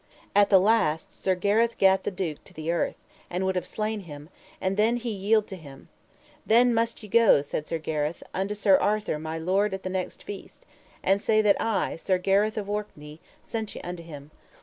At the last Sir Gareth gat the duke to the earth, and would have slain him, and then he yield him to him. Then must ye go, said Sir Gareth, unto Sir Arthur my lord at the next feast, and say that I, Sir Gareth of Orkney, sent you unto him.